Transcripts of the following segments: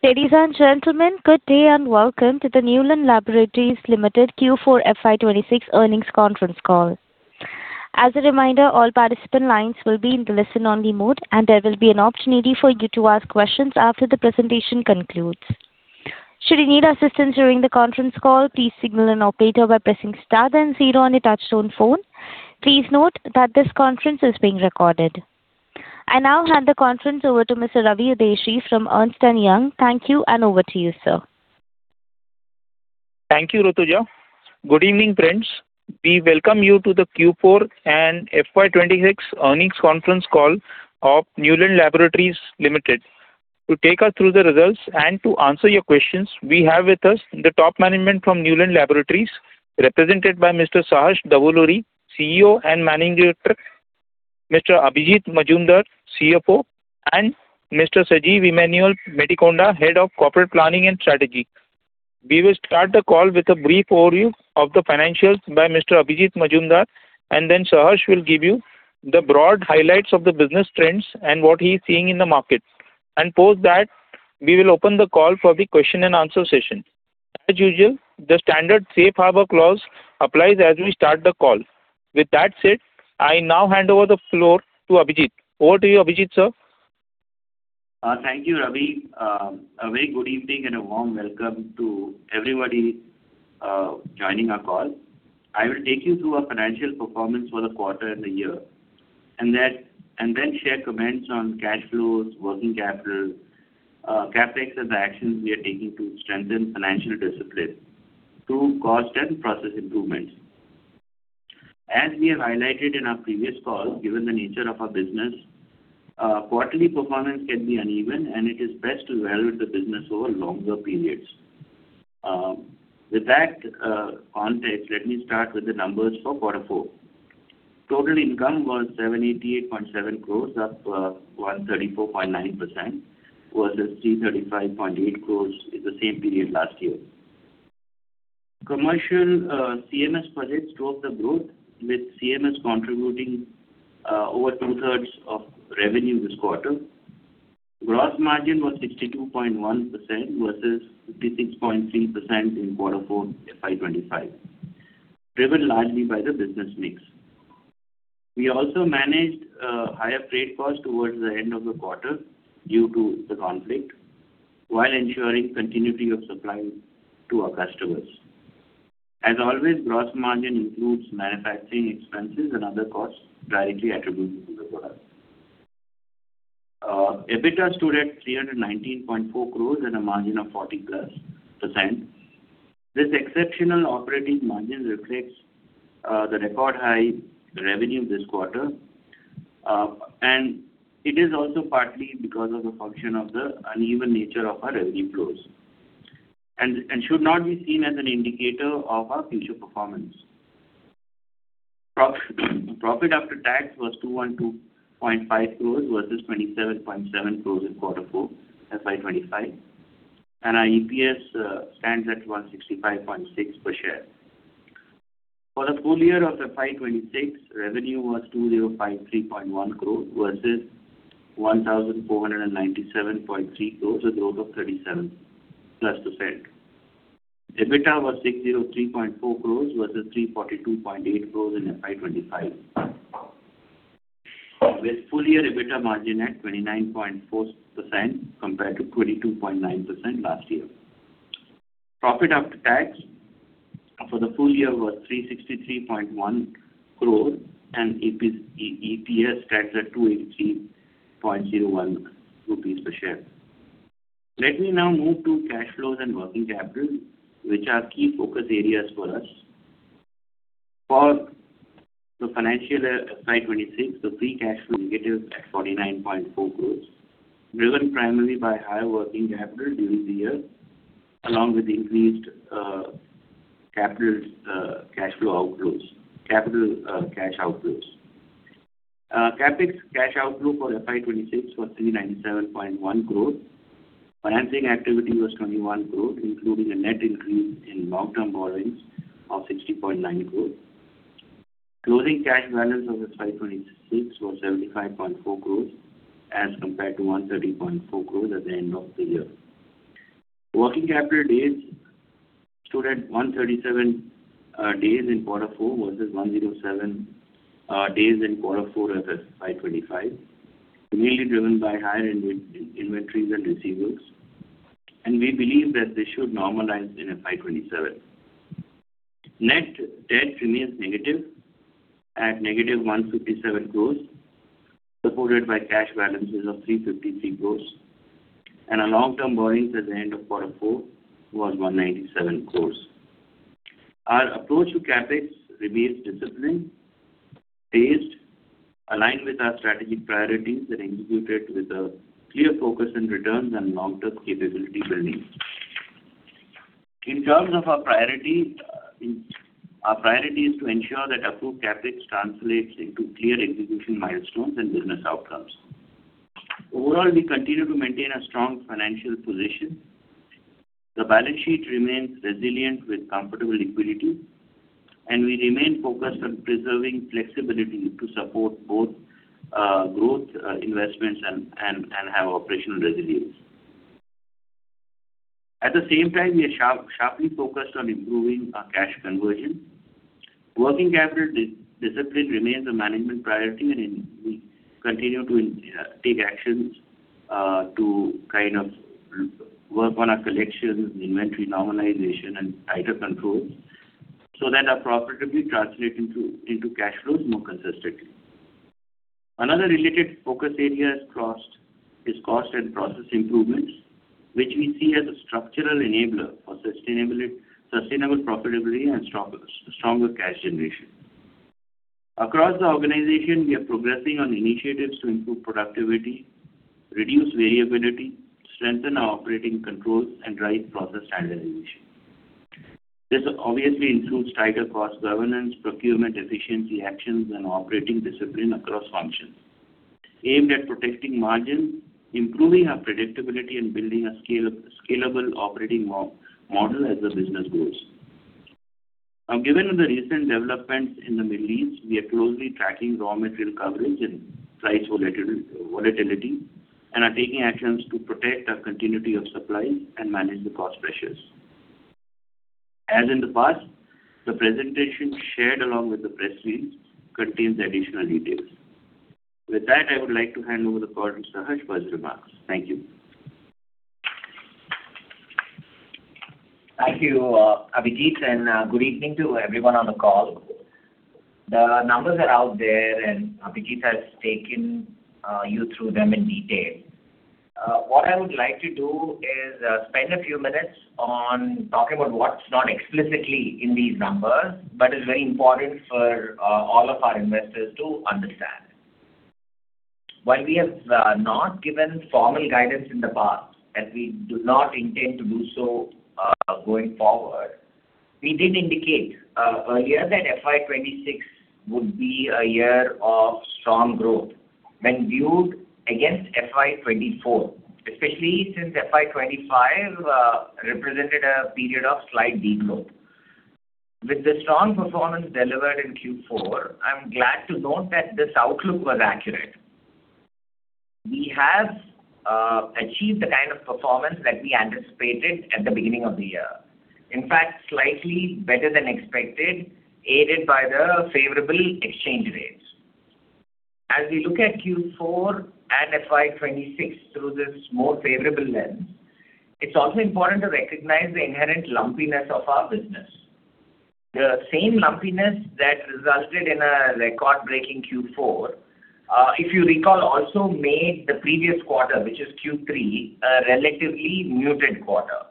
Ladies and gentlemen, good day and welcome to the Neuland Laboratories Limited Q4 FY 2026 earnings conference call. As a reminder, all participant lines will be in the listen only mode, and there will be an opportunity for you to ask questions after the presentation concludes. Should you need assistance during the conference call, please signal an operator by pressing star then zero on your touchtone phone. Please note that this conference is being recorded. I now hand the conference over to Mr. Ravi Udeshi from Ernst & Young. Thank you, and over to you, sir. Thank you, Rutuja. Good evening, friends. We welcome you to the Q4 and FY 2026 earnings conference call of Neuland Laboratories Limited. To take us through the results and to answer your questions, we have with us the top management from Neuland Laboratories, represented by Mr. Saharsh Davuluri, CEO and Managing Director, Mr. Abhijit Majumdar, CFO, and Mr. Sajeev Emmanuel Medikonda, Head of Corporate Planning and Strategy. We will start the call with a brief overview of the financials by Mr. Abhijit Majumdar, and then Saharsh will give you the broad highlights of the business trends and what he's seeing in the market. Post that, we will open the call for the question and answer session. As usual, the standard safe harbor clause applies as we start the call. With that said, I now hand over the floor to Abhijit. Over to you, Abhijit, sir. Thank you, Ravi. A very good evening and a warm welcome to everybody joining our call. I will take you through our financial performance for the quarter and the year, then share comments on cash flows, working capital, CapEx, and the actions we are taking to strengthen financial discipline through cost and process improvements. As we have highlighted in our previous call, given the nature of our business, quarterly performance can be uneven, and it is best to evaluate the business over longer periods. With that context, let me start with the numbers for quarter four. Total income was 788.7 crores, up 134.9% versus 335.8 crores in the same period last year. Commercial CMS projects drove the growth, with CMS contributing over two-thirds of revenue this quarter. Gross margin was 62.1% versus 56.3% in Q4 FY 2025, driven largely by the business mix. We also managed higher freight costs towards the end of the quarter due to the conflict while ensuring continuity of supply to our customers. As always, gross margin includes manufacturing expenses and other costs directly attributable to the product. EBITDA stood at 319.4 crores and a margin of 40+%. This exceptional operating margin reflects the record high revenue this quarter. It is also partly because of the function of the uneven nature of our revenue flows and should not be seen as an indicator of our future performance. Profit after tax was 212.5 crores versus 27.7 crores in Q4 FY 2025. Our EPS stands at 165.6 per share. For the full year of FY 2026, revenue was 2,053.1 crore versus 1,497.3 crore, a growth of 37+%. EBITDA was 603.4 crore versus 342.8 crore in FY 2025. With full year EBITDA margin at 29.4% compared to 22.9% last year. Profit after tax for the full year was 363.1 crore and EPS stands at 283.01 rupees per share. Let me now move to cash flows and working capital, which are key focus areas for us. For the financial year FY 2026, the free cash flow negative at 49.4 crore, driven primarily by higher working capital during the year, along with increased capital cash outflows. CapEx cash outflow for FY 2026 was 397.1 crore. Financing activity was 21 crore, including a net increase in long-term borrowings of 60.9 crore. Closing cash balance of FY 2026 was 75.4 crore as compared to 130.4 crore at the end of the year. Working capital days stood at 137 days in Q4 versus 107 days in Q4 of FY 2025, mainly driven by higher inventories and receivables, and we believe that they should normalize in FY 2027. Net debt remains negative at negative 157 crores, supported by cash balances of 353 crores. Our long-term borrowings at the end of quarter four was 197 crores. Our approach to CapEx remains disciplined, phased, aligned with our strategic priorities, and executed with a clear focus on returns and long-term capability building. In terms of our priorities, our priority is to ensure that approved CapEx translates into clear execution milestones and business outcomes. Overall, we continue to maintain a strong financial position. The balance sheet remains resilient with comfortable liquidity, and we remain focused on preserving flexibility to support both growth investments and have operational resilience. At the same time, we are sharply focused on improving our cash conversion. Working capital discipline remains a management priority, we continue to take actions to kind of work on our collections, inventory normalization and tighter controls so that our profitability translate into cash flows more consistently. Another related focus area is cost and process improvements, which we see as a structural enabler for sustainable profitability and stronger cash generation. Across the organization, we are progressing on initiatives to improve productivity, reduce variability, strengthen our operating controls and drive process standardization. This obviously includes tighter cost governance, procurement efficiency actions and operating discipline across functions aimed at protecting margins, improving our predictability and building a scalable operating model as the business grows. Now, given the recent developments in the Middle East, we are closely tracking raw material coverage and price volatility and are taking actions to protect our continuity of supply and manage the cost pressures. As in the past, the presentation shared along with the press release contains additional details. With that, I would like to hand over the call to Saharsh for his remarks. Thank you. Thank you, Abhijit, good evening to everyone on the call. The numbers are out there, Abhijit has taken you through them in detail. What I would like to do is spend a few minutes on talking about what's not explicitly in these numbers but is very important for all of our investors to understand. While we have not given formal guidance in the past, as we do not intend to do so going forward, we did indicate earlier that FY 2026 would be a year of strong growth when viewed against FY 2024, especially since FY 2025 represented a period of slight de-growth. With the strong performance delivered in Q4, I'm glad to note that this outlook was accurate. We have achieved the kind of performance that we anticipated at the beginning of the year. In fact, slightly better than expected, aided by the favorable exchange rates. As we look at Q4 and FY 2026 through this more favorable lens, it's also important to recognize the inherent lumpiness of our business. The same lumpiness that resulted in a record-breaking Q4, if you recall, also made the previous quarter, which is Q3, a relatively muted quarter.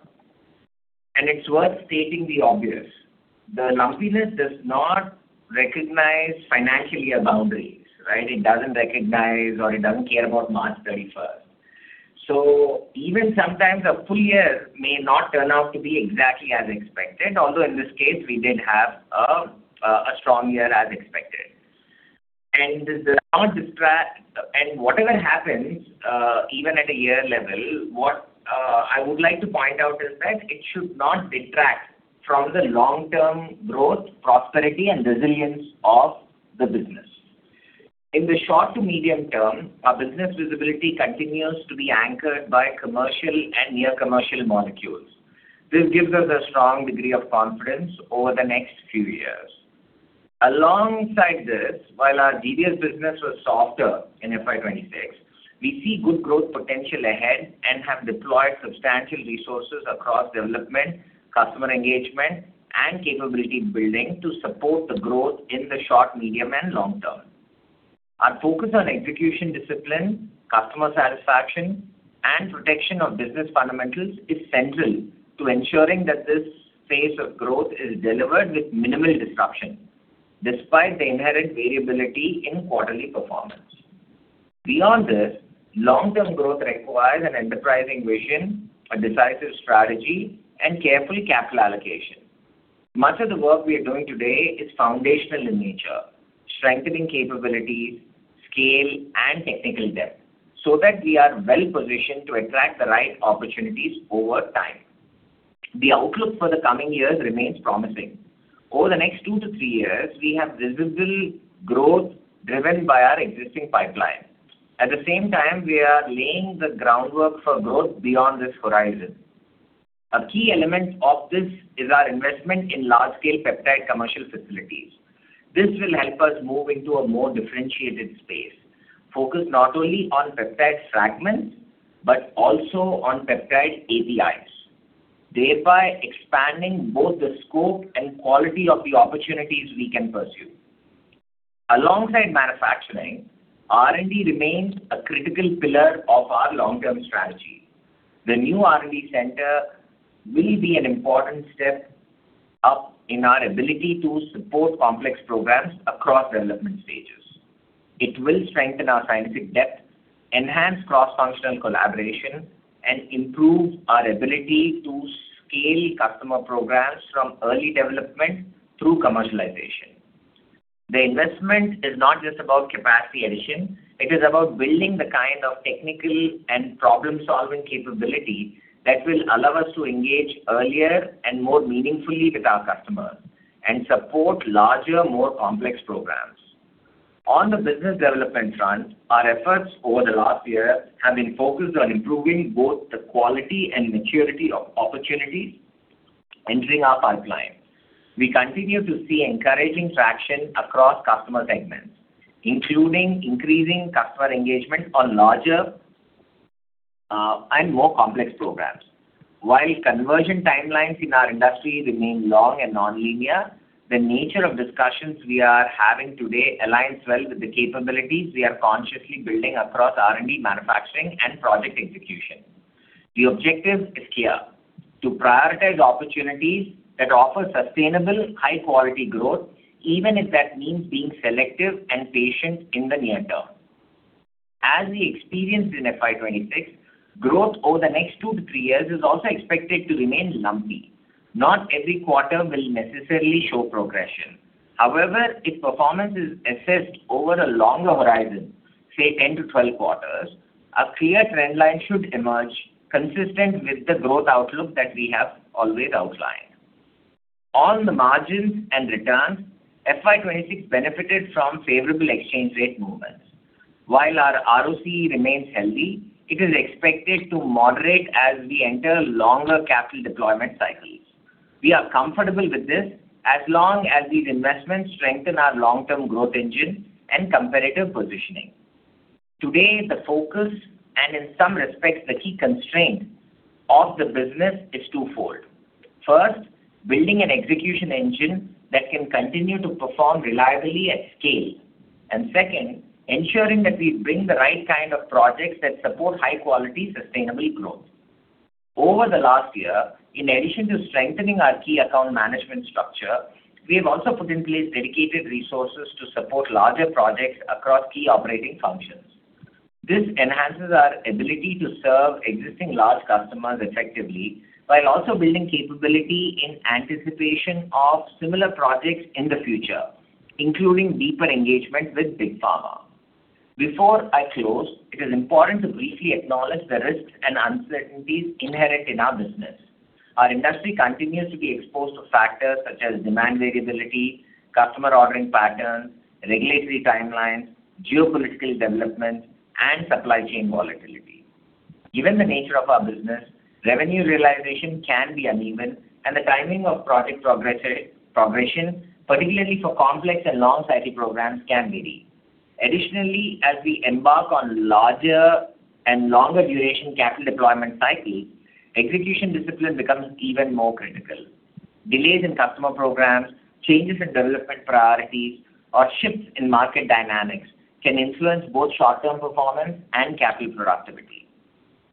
It's worth stating the obvious. The lumpiness does not recognize financial year boundaries, right? It doesn't recognize or it doesn't care about March 31st. Even sometimes a full year may not turn out to be exactly as expected, although in this case we did have a strong year as expected. This does not distract. Whatever happens, even at a year level, I would like to point out is that it should not detract from the long-term growth, prosperity and resilience of the business. In the short to medium term, our business visibility continues to be anchored by commercial and near commercial molecules. This gives us a strong degree of confidence over the next few years. Alongside this, while our GDS business was softer in FY 2026, we see good growth potential ahead and have deployed substantial resources across development, customer engagement and capability building to support the growth in the short, medium and long term. Our focus on execution discipline, customer satisfaction and protection of business fundamentals is central to ensuring that this phase of growth is delivered with minimal disruption, despite the inherent variability in quarterly performance. Beyond this, long-term growth requires an enterprising vision, a decisive strategy and careful capital allocation. Much of the work we are doing today is foundational in nature, strengthening capabilities, scale and technical depth, so that we are well-positioned to attract the right opportunities over time. The outlook for the coming years remains promising. Over the next 2-3 years, we have visible growth driven by our existing pipeline. At the same time, we are laying the groundwork for growth beyond this horizon. A key element of this is our investment in large-scale peptide commercial facilities. This will help us move into a more differentiated space, focused not only on peptide fragments but also on peptide APIs, thereby expanding both the scope and quality of the opportunities we can pursue. Alongside manufacturing, R&D remains a critical pillar of our long-term strategy. The new R&D center will be an important step up in our ability to support complex programs across development stages. It will strengthen our scientific depth, enhance cross-functional collaboration and improve our ability to scale customer programs from early development through commercialization. The investment is not just about capacity addition, it is about building the kind of technical and problem-solving capability that will allow us to engage earlier and more meaningfully with our customers and support larger, more complex programs. On the business development front, our efforts over the last year have been focused on improving both the quality and maturity of opportunities entering our pipeline. We continue to see encouraging traction across customer segments, including increasing customer engagement on larger and more complex programs. While conversion timelines in our industry remain long and non-linear, the nature of discussions we are having today aligns well with the capabilities we are consciously building across R&D, manufacturing, and project execution. The objective is clear: to prioritize opportunities that offer sustainable, high-quality growth, even if that means being selective and patient in the near term. As we experienced in FY 2026, growth over the next 2-3 years is also expected to remain lumpy. Not every quarter will necessarily show progression. However, if performance is assessed over a longer horizon, say 10-12 quarters, a clear trend line should emerge consistent with the growth outlook that we have always outlined. On the margins and returns, FY 2026 benefited from favorable exchange rate movements. While our ROC remains healthy, it is expected to moderate as we enter longer capital deployment cycles. We are comfortable with this as long as these investments strengthen our long-term growth engine and competitive positioning. Today, the focus, and in some respects, the key constraint of the business is twofold. First, building an execution engine that can continue to perform reliably at scale. Second, ensuring that we bring the right kind of projects that support high-quality, sustainable growth. Over the last year, in addition to strengthening our key account management structure, we have also put in place dedicated resources to support larger projects across key operating functions. This enhances our ability to serve existing large customers effectively while also building capability in anticipation of similar projects in the future, including deeper engagement with big pharma. Before I close, it is important to briefly acknowledge the risks and uncertainties inherent in our business. Our industry continues to be exposed to factors such as demand variability, customer ordering patterns, regulatory timelines, geopolitical developments, and supply chain volatility. Given the nature of our business, revenue realization can be uneven, and the timing of project progression, particularly for complex and long-cycle programs, can vary. Additionally, as we embark on larger and longer duration capital deployment cycles, execution discipline becomes even more critical. Delays in customer programs, changes in development priorities, or shifts in market dynamics can influence both short-term performance and capital productivity.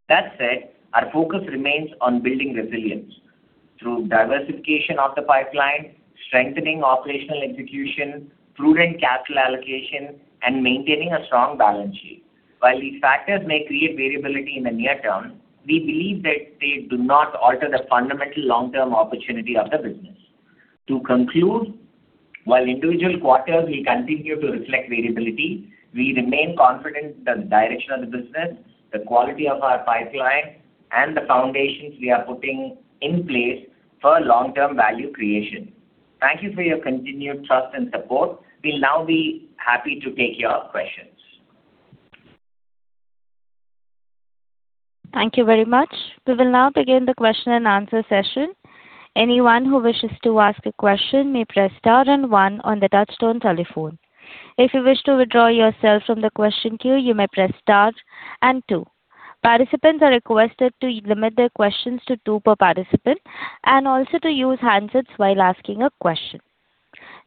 That said, our focus remains on building resilience through diversification of the pipeline, strengthening operational execution, prudent capital allocation, and maintaining a strong balance sheet. While these factors may create variability in the near term, we believe that they do not alter the fundamental long-term opportunity of the business. To conclude, while individual quarters will continue to reflect variability, we remain confident in the direction of the business, the quality of our pipeline, and the foundations we are putting in place for long-term value creation. Thank you for your continued trust and support. We'll now be happy to take your questions. Thank you very much.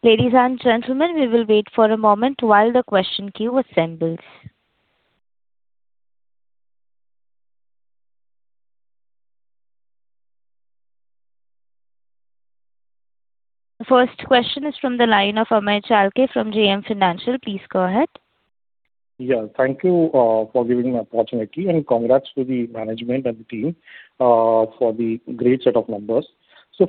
First question is from the line of Amey Chalke from JM Financial. Please go ahead. Yeah. Thank you for giving me opportunity, congrats to the management and the team for the great set of numbers.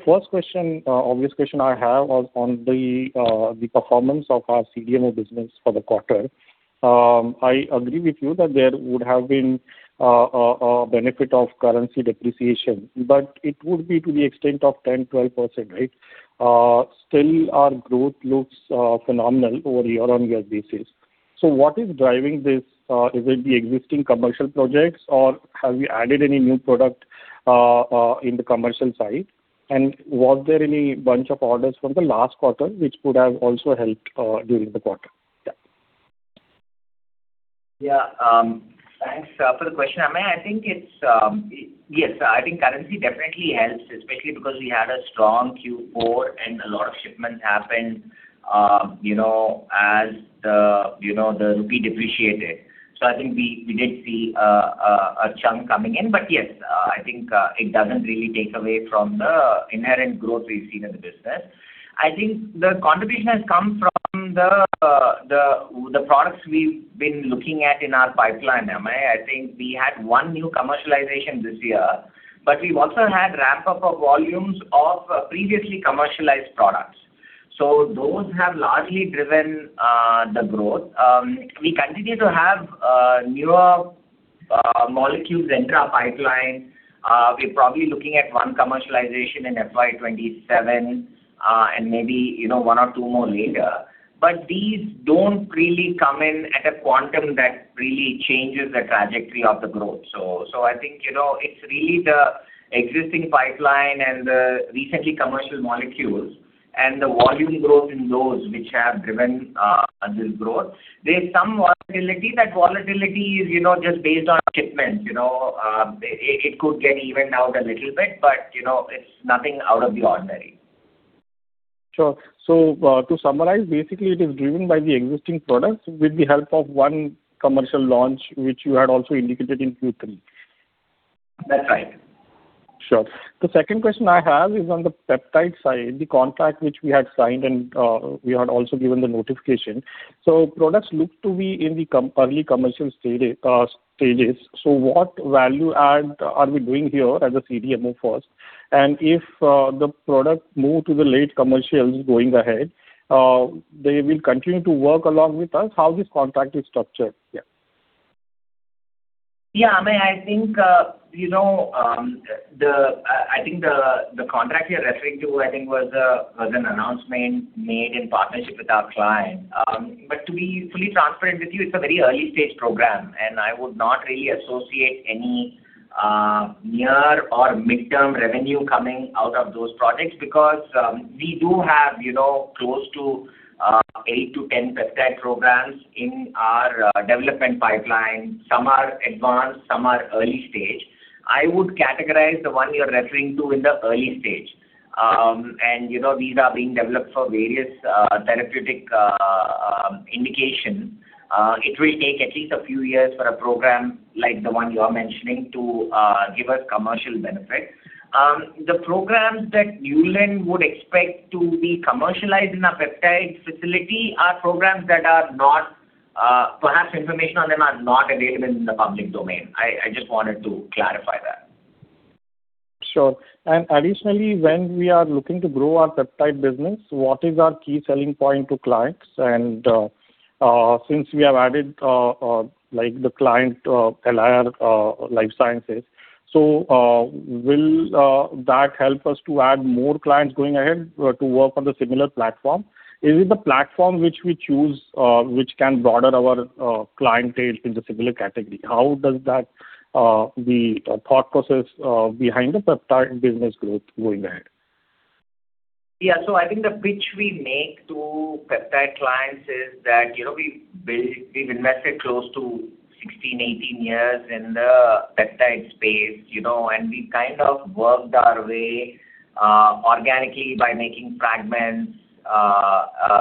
First question, obvious question I have on the performance of our CDMO business for the quarter. I agree with you that there would have been a benefit of currency depreciation, it would be to the extent of 10%-12%, right? Still our growth looks phenomenal over year-over-year basis. What is driving this? Is it the existing commercial projects, or have you added any new product in the commercial side? Was there any bunch of orders from the last quarter which could have also helped during the quarter? Yeah. Yeah. Thanks for the question, Amey. I think it's yes, I think currency definitely helps, especially because we had a strong Q4 and a lot of shipments happened, you know, as the, you know, the rupee depreciated. I think we did see a chunk coming in. Yes, I think it doesn't really take away from the inherent growth we've seen in the business. I think the contribution has come from the products we've been looking at in our pipeline, Amey, I think we had one new commercialization this year, but we've also had ramp-up of volumes of previously commercialized products. Those have largely driven the growth. We continue to have newer molecules enter our pipeline. We're probably looking at one commercialization in FY 2027, and maybe, you know, one or two more later. These don't really come in at a quantum that really changes the trajectory of the growth. I think, you know, it's really the existing pipeline and the recently commercial molecules and the volume growth in those which have driven this growth. There's some volatility. That volatility is, you know, just based on shipments, you know. It could get evened out a little bit, but, you know, it's nothing out of the ordinary. Sure. To summarize, basically it is driven by the existing products with the help of one commercial launch, which you had also indicated in Q3. That's right. Sure. The second question I have is on the peptide side, the contract which we had signed and we had also given the notification. Products look to be in the early commercial stages. What value add are we doing here as a CDMO first? If the product move to the late commercials going ahead, they will continue to work along with us, how this contract is structured? Yeah. Yeah, Amey Chalke, I think, you know, the contract you're referring to was an announcement made in partnership with our client. To be fully transparent with you, it's a very early-stage program, and I would not really associate any near or midterm revenue coming out of those projects because we do have, you know, close to eight to 10 peptide programs in our development pipeline. Some are advanced, some are early stage. I would categorize the one you're referring to in the early stage. You know, these are being developed for various therapeutic indications. It will take at least a few years for a program like the one you are mentioning to give us commercial benefit. The programs that Neuland would expect to be commercialized in our peptide facility are programs that are not perhaps information on them are not available in the public domain. I just wanted to clarify that. Sure. Additionally, when we are looking to grow our peptide business, what is our key selling point to clients? Since we have added like the client LIR Life Sciences. Will that help us to add more clients going ahead to work on the similar platform? Is it the platform which we choose which can broaden our clientele in the similar category? How does that the thought process behind the peptide business growth going ahead? Yeah. I think the pitch we make to peptide clients is that we've invested close to 16, 18 years in the peptide space, and we've kind of worked our way organically by making fragments,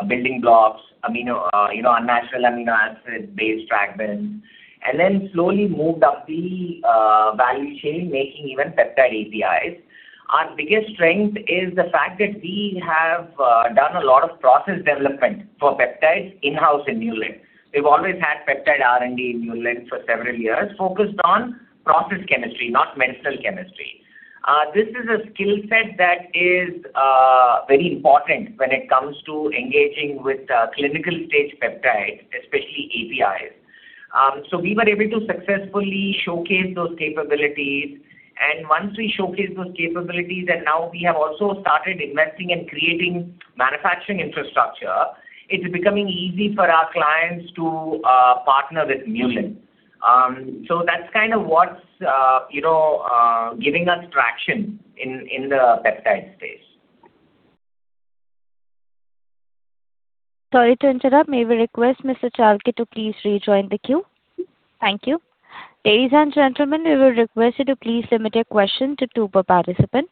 building blocks, amino, unnatural amino acid-based fragments, and then slowly moved up the value chain, making even peptide APIs. Our biggest strength is the fact that we have done a lot of process development for peptides in-house in Neuland. We've always had peptide R&D in Neuland for several years, focused on process chemistry, not medicinal chemistry. This is a skill set that is very important when it comes to engaging with clinical-stage peptides, especially APIs. We were able to successfully showcase those capabilities. Once we showcase those capabilities, and now we have also started investing in creating manufacturing infrastructure, it's becoming easy for our clients to partner with Neuland. That's kind of what's, you know, giving us traction in the peptide space. Sorry to interrupt. May we request Mr. Chalke to please rejoin the queue. Thank you. Ladies and gentlemen, we will request you to please limit your question to two per participant.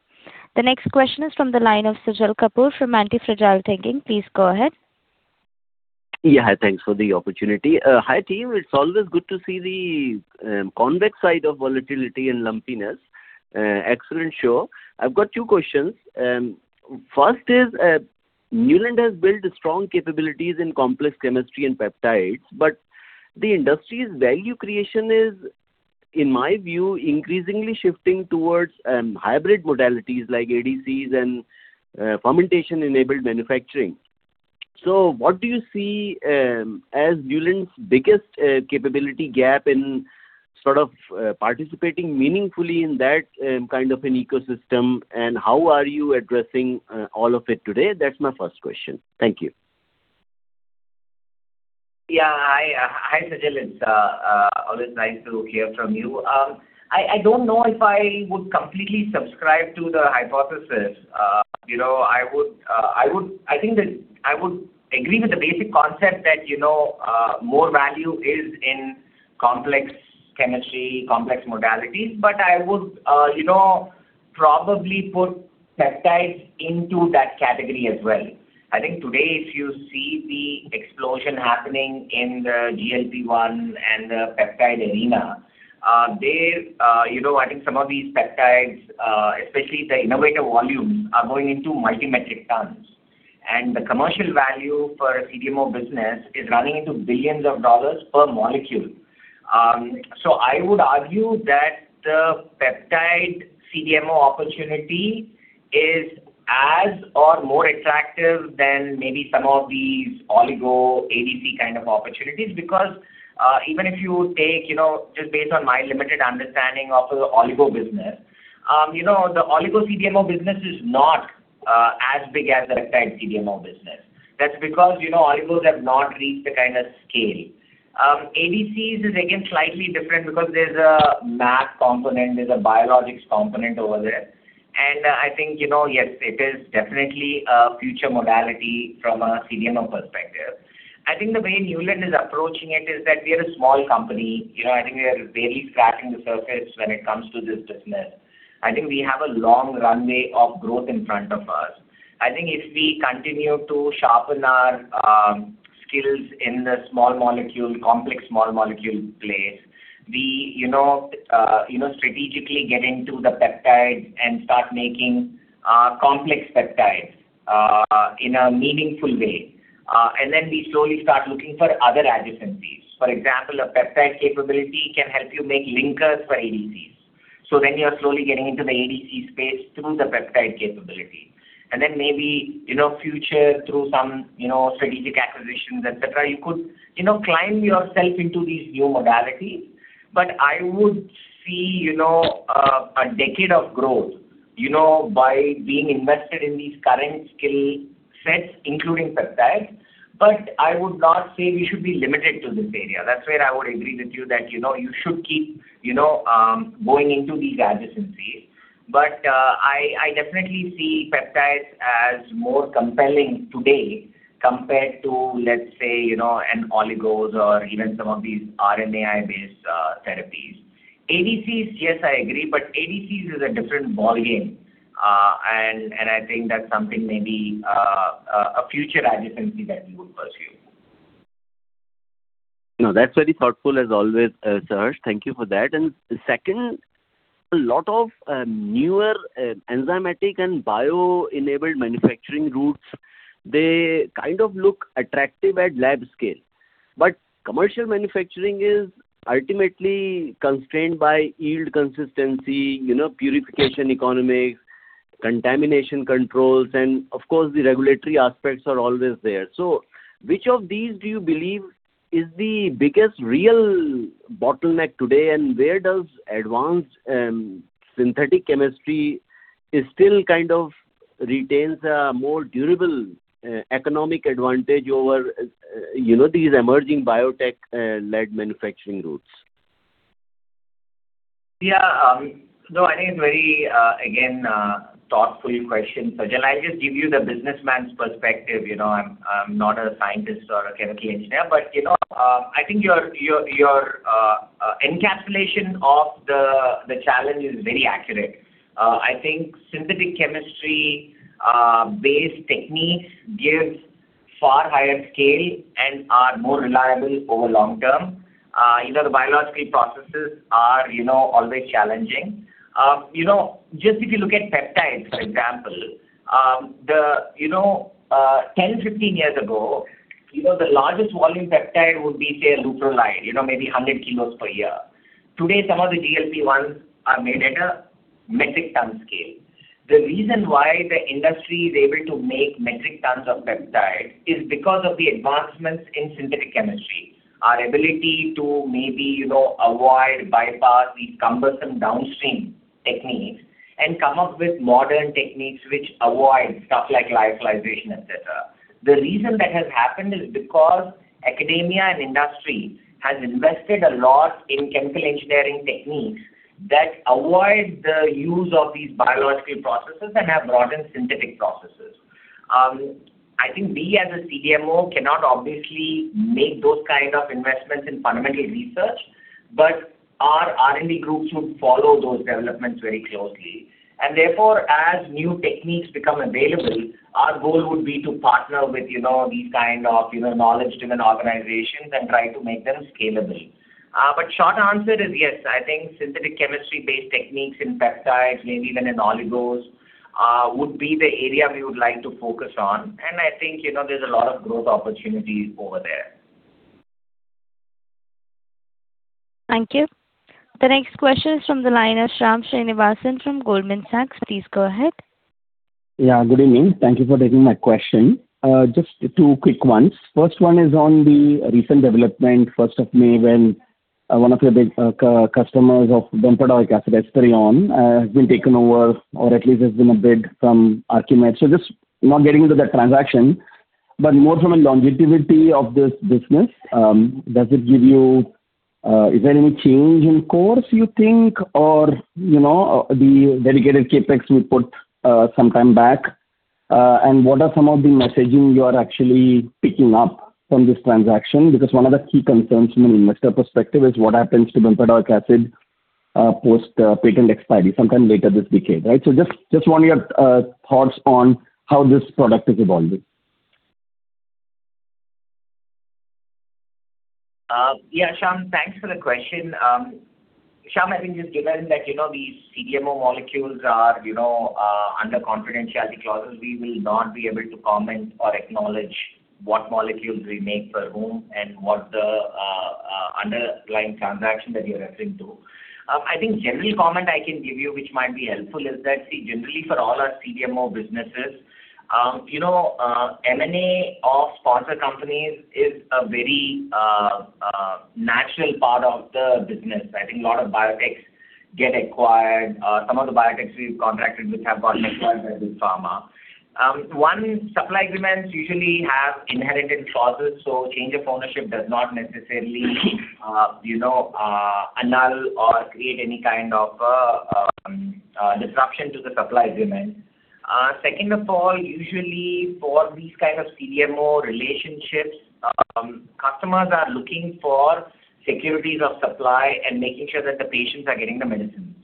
The next question is from the line of Sajal Kapoor from Antifragile Thinking. Please go ahead. Yeah. Thanks for the opportunity. Hi, team. It's always good to see the convex side of volatility and lumpiness. Excellent show. I've got two questions. First is, Neuland has built strong capabilities in complex chemistry and peptides, but the industry's value creation is, in my view, increasingly shifting towards hybrid modalities like ADCs and fermentation-enabled manufacturing. What do you see as Neuland's biggest capability gap in sort of participating meaningfully in that kind of an ecosystem, and how are you addressing all of it today? That's my first question. Thank you. Yeah. Hi, hi, Sajal. It's always nice to hear from you. I don't know if I would completely subscribe to the hypothesis. You know, I think that I would agree with the basic concept that, you know, more value is in complex chemistry, complex modalities, but I would, you know, probably put peptides into that category as well. I think today, if you see the explosion happening in the GLP-1 and the peptide arena. They, you know, I think some of these peptides, especially the innovative volumes are going into multi-metric tons. The commercial value for a CDMO business is running into INR billions per molecule. I would argue that the peptide CDMO opportunity is as or more attractive than maybe some of these oligo ADC kind of opportunities. Even if you take, you know, just based on my limited understanding of the oligo business, you know, the oligo CDMO business is not as big as the peptide CDMO business. That's because, you know, oligos have not reached the kind of scale. ADCs is again slightly different because there's a mAb component, there's a biologics component over there. I think, you know, yes, it is definitely a future modality from a CDMO perspective. I think the way Neuland is approaching it is that we are a small company. You know, I think we are barely scratching the surface when it comes to this business. I think we have a long runway of growth in front of us. I think if we continue to sharpen our skills in the small molecule, complex small molecule place, we, you know, strategically get into the peptides and start making complex peptides in a meaningful way. Then we slowly start looking for other adjacencies. For example, a peptide capability can help you make linkers for ADCs. You're slowly getting into the ADC space through the peptide capability. Maybe, you know, future through some, you know, strategic acquisitions, et cetera, you could, you know, climb yourself into these new modalities. I would see, you know, a decade of growth, you know, by being invested in these current skill sets, including peptides. I would not say we should be limited to this area. That's where I would agree with you that, you know, you should keep, you know, going into these adjacencies. I definitely see peptides as more compelling today compared to, let's say, you know, an oligos or even some of these RNAi-based therapies. ADCs, yes, I agree, but ADCs is a different ballgame. I think that's something maybe a future adjacency that we would pursue. No, that's very thoughtful as always, Saharsh. Thank you for that. Second, a lot of newer enzymatic and bio-enabled manufacturing routes, they kind of look attractive at lab scale. Commercial manufacturing is ultimately constrained by yield consistency, you know, purification economics, contamination controls, and of course, the regulatory aspects are always there. Which of these do you believe is the biggest real bottleneck today? Where does advanced synthetic chemistry is still kind of retains a more durable economic advantage over, you know, these emerging biotech led manufacturing routes? Yeah. I think very, again, thoughtful question, Sajal Kapoor. I'll just give you the businessman's perspective. You know, I'm not a scientist or a chemical engineer. You know, I think your encapsulation of the challenge is very accurate. I think synthetic chemistry based techniques gives far higher scale and are more reliable over long term. You know, the biological processes are, you know, always challenging. You know, just if you look at peptides, for example, the, you know, 10, 15 years ago, you know, the largest volume peptide would be, say, leuprolide, you know, maybe 100 kilos per year. Today, some of the GLP-1s are made at a metric ton scale. The reason why the industry is able to make metric tons of peptides is because of the advancements in synthetic chemistry. Our ability to maybe, you know, avoid, bypass these cumbersome downstream techniques and come up with modern techniques which avoid stuff like lyophilization, et cetera. The reason that has happened is because academia and industry has invested a lot in chemical engineering techniques that avoid the use of these biological processes and have broadened synthetic processes. I think we as a CDMO cannot obviously make those kind of investments in fundamental research, our R&D groups would follow those developments very closely. Therefore, as new techniques become available, our goal would be to partner with, you know, these kind of, you know, knowledge-driven organizations and try to make them scalable. Short answer is yes. I think synthetic chemistry-based techniques in peptides, maybe even in oligos, would be the area we would like to focus on. I think, you know, there's a lot of growth opportunities over there. Thank you. The next question is from the line of Shyam Srinivasan from Goldman Sachs. Please go ahead. Yeah, good evening. Thank you for taking my question. Just two quick ones. First one is on the recent development, 1st of May, when, one of your big customers of bempedoie acid, Esperion, has been taken over or at least there's been a bid from Arkema. Just not getting into that transaction, but more from a longevity of this business, does it give you. Is there any change in course you think, or, you know, the dedicated CapEx you put, some time back? What are some of the messaging you are actually picking up from this transaction? One of the key concerns from an investor perspective is what happens to bempedoic acid, post patent expiry sometime later this decade, right? Just want your thoughts on how this product is evolving. Yeah, Shyam, thanks for the question. Shyam, I think just given that, you know, these CDMO molecules are, you know, under confidentiality clauses, we will not be able to comment or acknowledge what molecules we make for whom and what the underlying transaction that you're referring to. I think general comment I can give you, which might be helpful, is that, see, generally for all our CDMO businesses, you know, M&A of sponsor companies is a very natural part of the business. I think a lot of biotechs get acquired. Some of the biotechs we've contracted with have gotten acquired by big pharma. One, supply agreements usually have inherited clauses, change of ownership does not necessarily, you know, annul or create any kind of a disruption to the supply agreement. Second of all, usually for these kind of CDMO relationships, customers are looking for securities of supply and making sure that the patients are getting the medicine.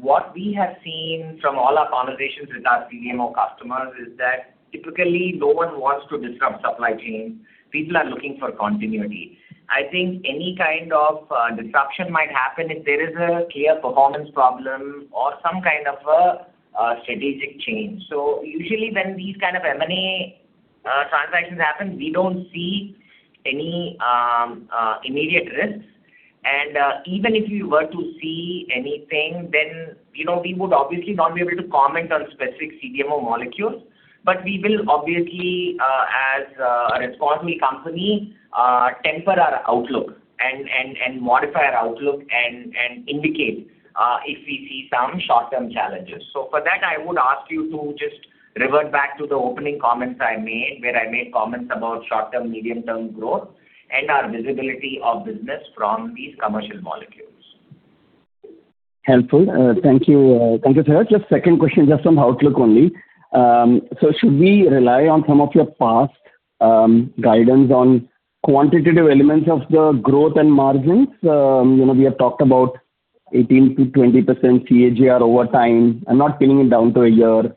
What we have seen from all our conversations with our CDMO customers is that typically no one wants to disrupt supply chain. People are looking for continuity. I think any kind of disruption might happen if there is a clear performance problem or some kind of a strategic change. Usually when these kind of M&A transactions happen, we don't see any immediate risks. Even if we were to see anything, then, you know, we would obviously not be able to comment on specific CDMO molecules, but we will obviously, as a responsible company, temper our outlook and modify our outlook and indicate, if we see some short-term challenges. For that, I would ask you to just revert back to the opening comments I made, where I made comments about short-term, medium-term growth and our visibility of business from these commercial molecules. Helpful. Thank you. Thank you, sir. Just second question, just on outlook only. Should we rely on some of your past guidance on quantitative elements of the growth and margins? You know, we have talked about 18%-20% CAGR over time. I'm not pinning it down to a year.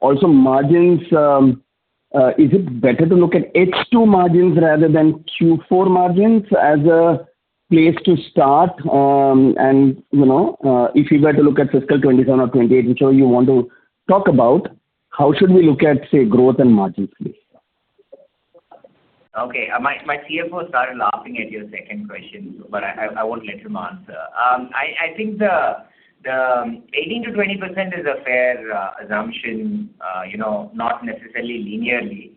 Also margins, is it better to look at H2 margins rather than Q4 margins as a place to start? You know, if we were to look at fiscal 2027 or 2028, whichever you want to talk about, how should we look at, say, growth and margins, please? Okay. My CFO started laughing at your second question, but I won't let him answer. I think the 18%-20% is a fair assumption, you know, not necessarily linearly.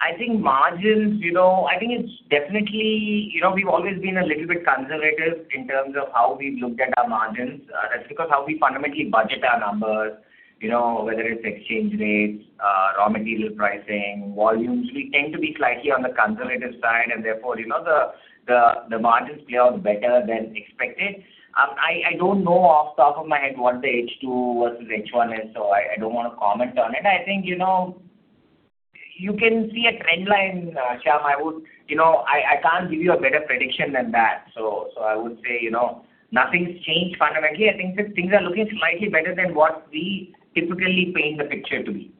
I think margins, you know, I think it's definitely You know, we've always been a little bit conservative in terms of how we've looked at our margins. That's because how we fundamentally budget our numbers, you know, whether it's exchange rates, raw material pricing, volumes. We tend to be slightly on the conservative side and therefore, you know, the margins play out better than expected. I don't know off the top of my head what the H2 versus H1 is, so I don't wanna comment on it. I think, you know, you can see a trend line, Shyam. I would, you know, I can't give you a better prediction than that. I would say, you know, nothing's changed fundamentally. I think just things are looking slightly better than what we typically paint the picture to be.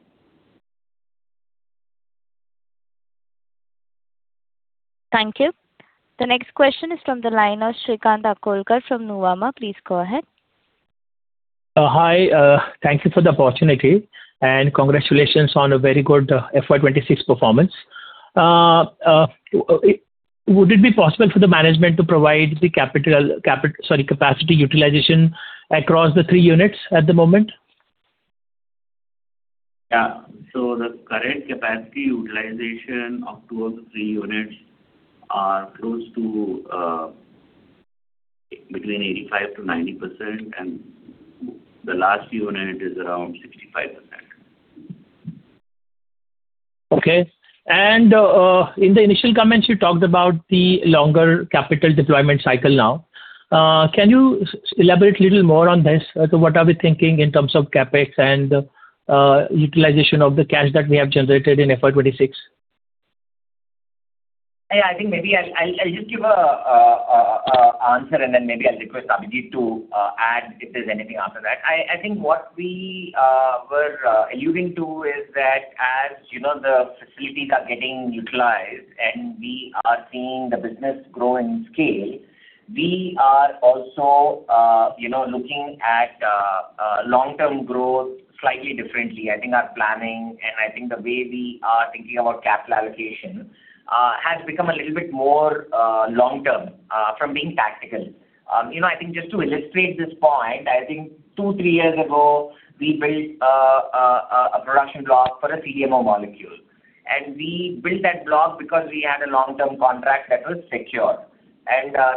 Thank you. The next question is from the line of Shrikant Akolkar from Nuvama. Please go ahead. Hi. Thank you for the opportunity, congratulations on a very good FY 2026 performance. Would it be possible for the management to provide the sorry, capacity utilization across the three units at the moment? Yeah. The current capacity utilization of two of the three units are close to, between 85%-90%, and the last unit is around 65%. Okay. In the initial comments, you talked about the longer capital deployment cycle now. Can you elaborate a little more on this? What are we thinking in terms of CapEx and utilization of the cash that we have generated in FY 2026? I think maybe I'll just give a answer and then maybe I'll request Abhijit to add if there's anything after that. I think what we were alluding to is that as, you know, the facilities are getting utilized and we are seeing the business grow in scale, we are also, you know, looking at long-term growth slightly differently. I think our planning and I think the way we are thinking about capital allocation has become a little bit more long-term from being tactical. You know, I think just to illustrate this point, I think two, three years ago, we built a production block for a CDMO molecule. We built that block because we had a long-term contract that was secure.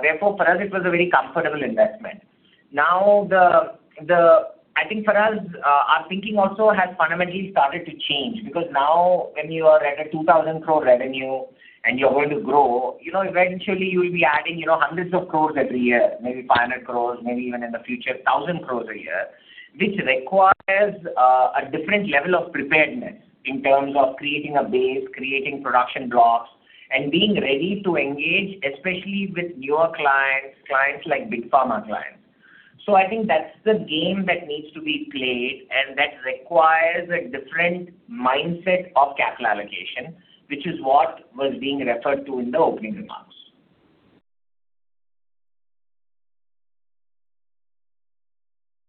Therefore, for us it was a very comfortable investment. I think for us, our thinking also has fundamentally started to change, because now when you are at a 2,000 crore revenue and you're going to grow, you know, eventually you'll be adding, you know, hundreds of crores every year, maybe 500 crore, maybe even in the future, 1,000 crore a year. This requires a different level of preparedness in terms of creating a base, creating production blocks, and being ready to engage, especially with newer clients like big pharma clients. I think that's the game that needs to be played, and that requires a different mindset of capital allocation, which is what was being referred to in the opening remarks.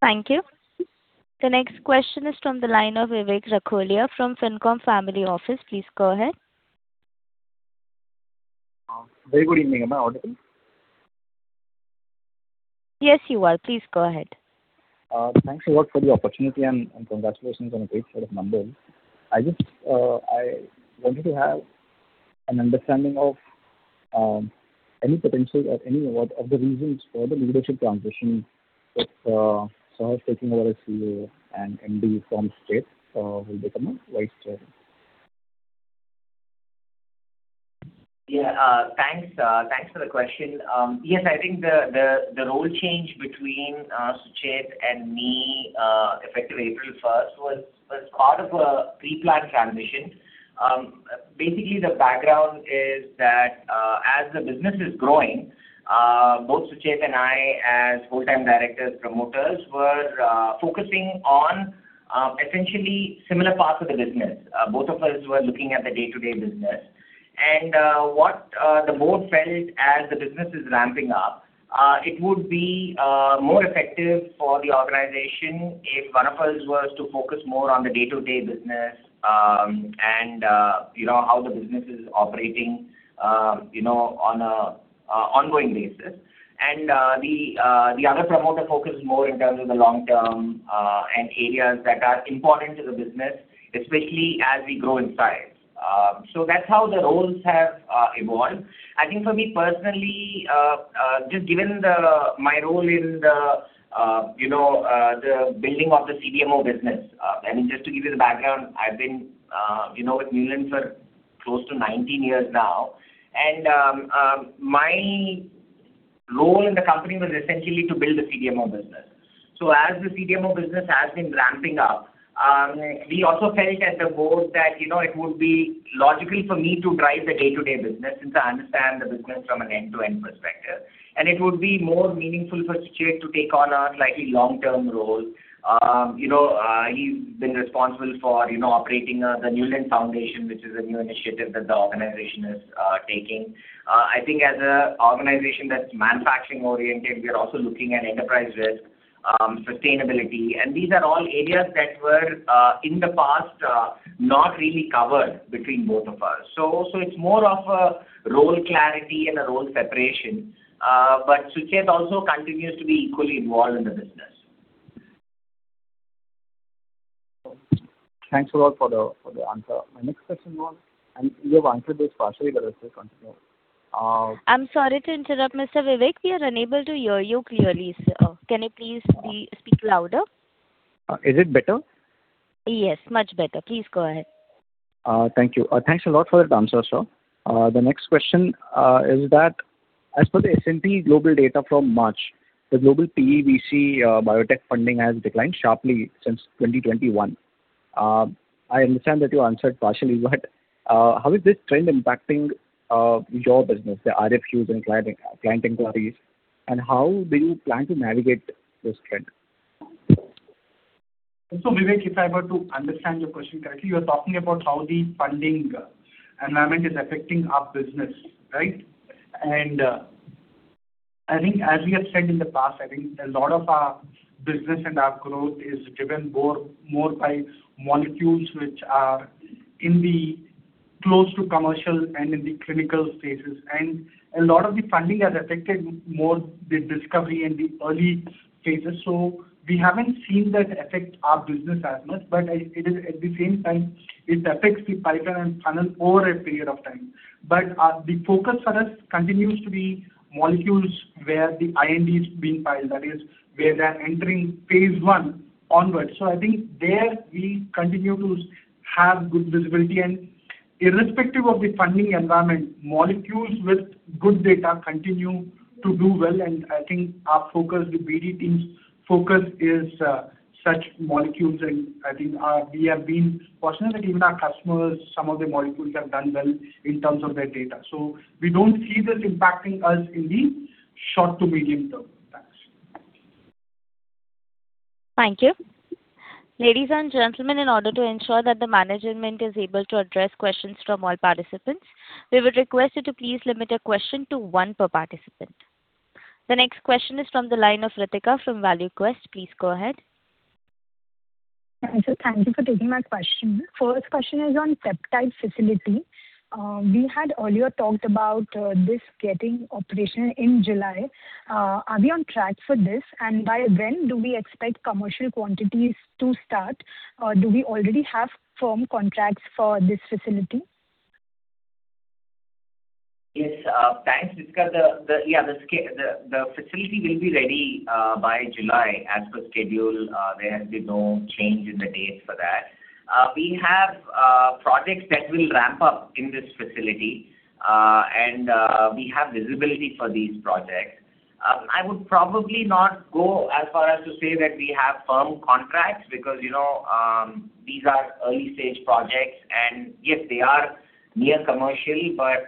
Thank you. The next question is from the line of Vivek Rakholia from Ficom Family Office. Please go ahead. Very good evening. Am I audible? Yes, you are. Please go ahead. Thanks a lot for the opportunity and congratulations on a great set of numbers. I just, I wanted to have an understanding of, any potential or any what are the reasons for the leadership transition with Saharsh taking over as CEO and MD from Sucheth, who become a Vice Chairman. Yeah. Thanks, thanks for the question. Yes, I think the role change between Sucheth and me, effective April first, was part of a pre-planned transition. Basically, the background is that as the business is growing, both Sucheth and I as full-time directors, promoters were focusing on essentially similar parts of the business. Both of us were looking at the day-to-day business. What the board felt as the business is ramping up, it would be more effective for the organization if one of us was to focus more on the day-to-day business, and, you know, how the business is operating, you know, on an ongoing basis. The other promoter focuses more in terms of the long-term and areas that are important to the business, especially as we grow in size. That's how the roles have evolved. I think for me personally, just given my role in the, you know, the building of the CDMO business. I mean, just to give you the background, I've been, you know, with Neuland for close to 19 years now. My role in the company was essentially to build the CDMO business. As the CDMO business has been ramping up, we also felt as a board that, you know, it would be logical for me to drive the day-to-day business since I understand the business from an end-to-end perspective. It would be more meaningful for Suchet to take on a slightly long-term role. You know, he's been responsible for, you know, operating the Neuland Foundation, which is a new initiative that the organization is taking. I think as a organization that's manufacturing-oriented, we are also looking at enterprise risk, sustainability, and these are all areas that were in the past not really covered between both of us. It's more of a role clarity and a role separation. Suchet also continues to be equally involved in the business. Thanks a lot for the answer. My next question was. You have answered this partially, but I'll still continue. I'm sorry to interrupt, Mr. Vivek. We are unable to hear you clearly. Can you please speak louder? Is it better? Yes, much better. Please go ahead. Thank you. Thanks a lot for that answer, Saharsh. The next question is that as per the S&P Global data from March, the global PE VC biotech funding has declined sharply since 2021. I understand that you answered partially, but how is this trend impacting your business, the RFQs and client inquiries, and how do you plan to navigate this trend? Vivek, if I were to understand your question correctly, you're talking about how the funding environment is affecting our business, right? I think as we have said in the past, I think a lot of our business and our growth is driven more by molecules which are in the close to commercial and in the clinical stages. A lot of the funding has affected more the discovery and the early stages. We haven't seen that affect our business as much. It is at the same time, it affects the pipeline funnel over a period of time. The focus for us continues to be molecules where the IND is being filed. That is, where they're entering phase I onwards. I think there we continue to have good visibility. Irrespective of the funding environment, molecules with good data continue to do well. I think our focus, the BD team's focus is such molecules. I think we have been fortunate that even our customers, some of the molecules have done well in terms of their data. We don't see this impacting us in the short to medium term. Thanks. Thank you. Ladies and gentlemen, in order to ensure that the management is able to address questions from all participants, we would request you to please limit a question to one per participant. The next question is from the line of Ritika from ValueQuest. Please go ahead. Yes, sir. Thank you for taking my question. First question is on peptide facility. We had earlier talked about this getting operational in July. Are we on track for this? By when do we expect commercial quantities to start? Do we already have firm contracts for this facility? Yes, thanks, Ritika. The Yeah, the facility will be ready by July as per schedule. There has been no change in the date for that. We have projects that will ramp up in this facility, and we have visibility for these projects. I would probably not go as far as to say that we have firm contracts because, you know, these are early-stage projects and yes, they are Near commercial,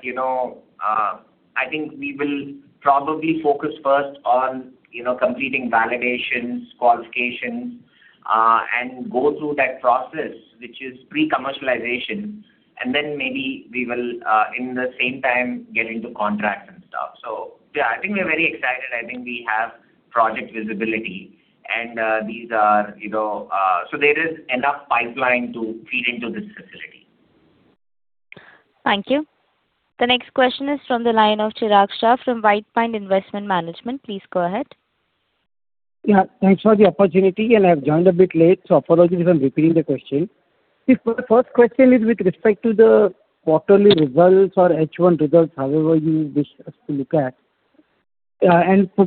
you know, I think we will probably focus first on, you know, completing validations, qualifications, and go through that process, which is pre-commercialization, then maybe we will in the same time get into contracts and stuff. Yeah, I think we're very excited. I think we have project visibility and, you know, there is enough pipeline to feed into this facility. Thank you. The next question is from the line of Chirag Shah from White Pine Investment Management. Please go ahead. Yeah. Thanks for the opportunity. I've joined a bit late, so apologies if I'm repeating the question. See, for the first question is with respect to the quarterly results or H1 results, however you wish us to look at.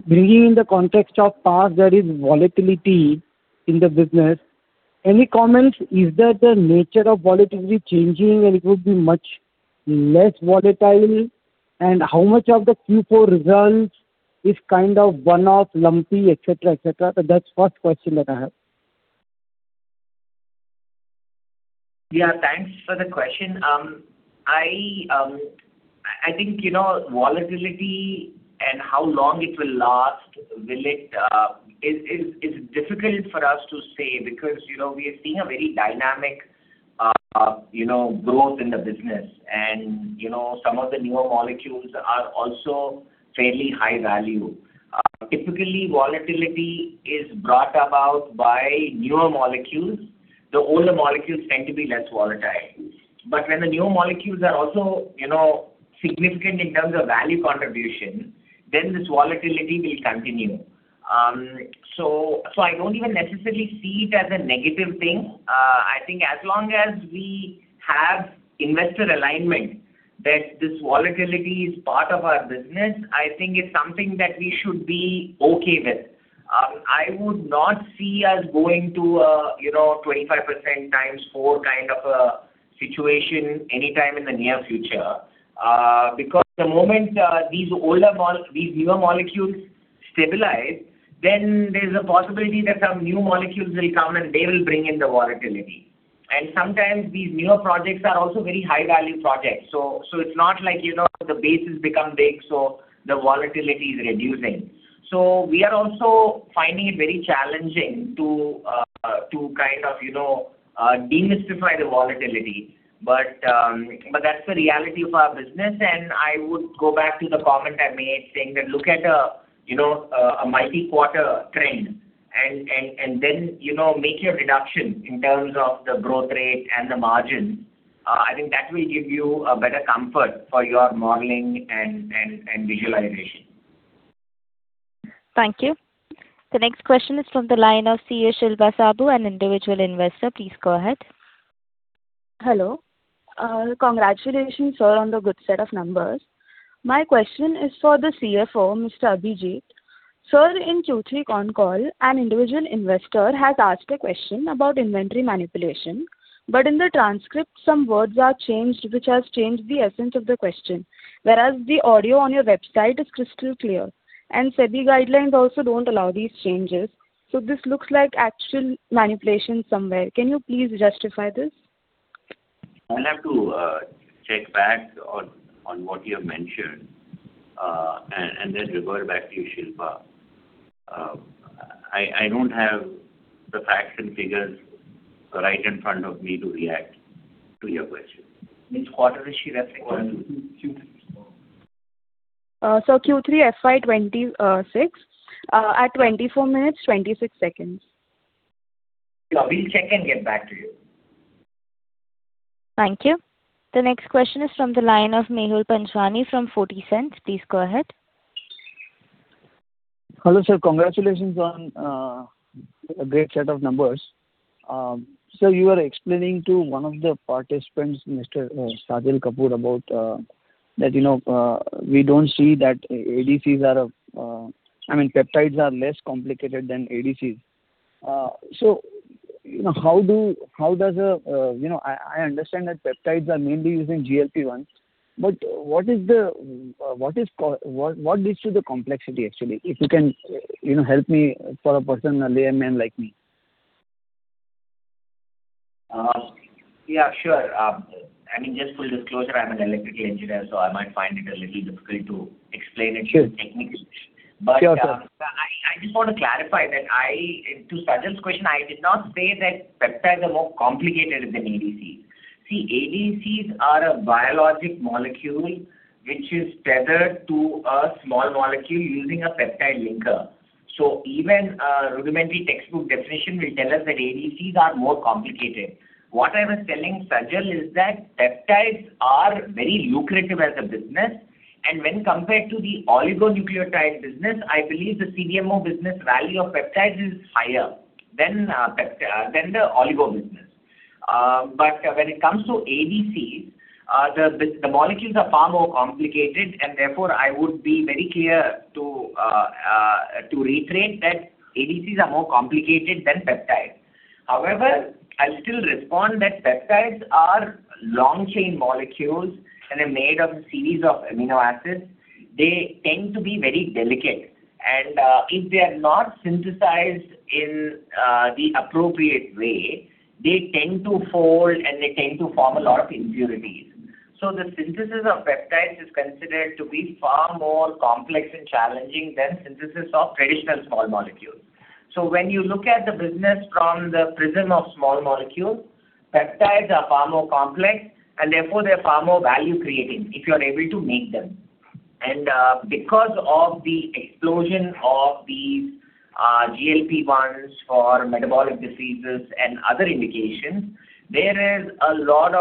Bringing in the context of past, there is volatility in the business. Any comments, is that the nature of volatility changing and it would be much less volatile? How much of the Q4 results is kind of one-off, lumpy, etc, etc? That's first question that I have. Yeah, thanks for the question. I think, you know, volatility and how long it will last, is difficult for us to say because, you know, we are seeing a very dynamic, you know, growth in the business. You know, some of the newer molecules are also fairly high value. Typically, volatility is brought about by newer molecules. The older molecules tend to be less volatile. When the newer molecules are also, you know, significant in terms of value contribution, this volatility will continue. I don't even necessarily see it as a negative thing. I think as long as we have investor alignment that this volatility is part of our business, I think it's something that we should be okay with. I would not see us going to a, you know, 25% times 4 kind of a situation anytime in the near future. Because the moment these newer molecules stabilize, then there's a possibility that some new molecules will come and they will bring in the volatility. Sometimes these newer projects are also very high-value projects. It's not like, you know, the base has become big, so the volatility is reducing. We are also finding it very challenging to kind of, you know, demystify the volatility. That's the reality of our business, and I would go back to the comment I made saying that look at a, you know, a multi-quarter trend and then, you know, make your deduction in terms of the growth rate and the margin. I think that will give you a better comfort for your modeling and visualization. Thank you. The next question is from the line of C.A. Shilpa Saboo, an Individual Investor. Please go ahead. Hello. Congratulations, sir, on the good set of numbers. My question is for the CFO, Mr. Abhijit. Sir, in Q3 con call, an individual investor has asked a question about inventory manipulation, but in the transcript, some words are changed, which has changed the essence of the question, whereas the audio on your website is crystal clear. SEBI guidelines also don't allow these changes, so this looks like actual manipulation somewhere. Can you please justify this? I'll have to check back on what you have mentioned, and then revert back to you, Shilpa. I don't have the facts and figures right in front of me to react to your question. Which quarter is she referring to? Q3. Q3 FY 2026 at 24 minutes, 26 seconds. Yeah, we'll check and get back to you. Thank you. The next question is from the line of Mehul Panchwani from Forty Cent. Please go ahead. Hello, sir. Congratulations on a great set of numbers. Sir, you were explaining to one of the participants, Mr. Sajal Kapoor, about that, you know, we don't see that ADCs are. I mean, peptides are less complicated than ADCs. You know, how does a. You know, I understand that peptides are mainly using GLP-1, but what is the. What leads to the complexity actually? If you can, you know, help me, for a person, a layman like me. Yeah, sure. I mean, just full disclosure, I'm an electrical engineer, so I might find it a little difficult to explain it too technically. Sure. Sure, sir. I just want to clarify that I To Sajal's question, I did not say that peptides are more complicated than ADCs. ADCs are a biologic molecule which is tethered to a small molecule using a peptide linker. Even a rudimentary textbook definition will tell us that ADCs are more complicated. What I was telling Sajal is that peptides are very lucrative as a business, and when compared to the oligonucleotide business, I believe the CDMO business value of peptides is higher than the oligo business. When it comes to ADCs, the molecules are far more complicated, and therefore I would be very clear to reiterate that ADCs are more complicated than peptides. However, I'll still respond that peptides are long-chain molecules and are made of a series of amino acids. They tend to be very delicate. If they're not synthesized in the appropriate way, they tend to fold and they tend to form a lot of impurities. The synthesis of peptides is considered to be far more complex and challenging than synthesis of traditional small molecules. When you look at the business from the prism of small molecules, peptides are far more complex and therefore they're far more value creating if you're able to make them. Because of the explosion of these GLP-1s for metabolic diseases and other indications, there are a lot